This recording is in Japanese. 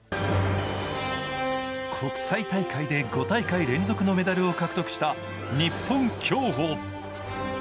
国際大会で５大会連続のメダルを獲得した日本競歩。